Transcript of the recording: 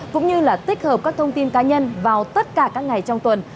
cũng như là tích hợp các thông tin cá nhân vào tất cả các ngày trong tuần